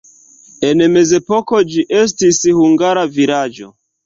En mezepoko ĝi estis hungara vilaĝo.